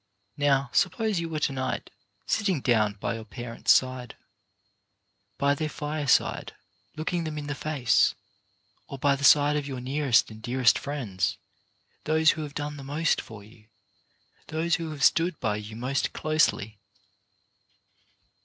Now, suppose you were to night sitting down by your parents' side, by their fireside, looking them in the face, or by the side of your nearest and dearest friends, those who have done the most for you, those who have stood by you most closely.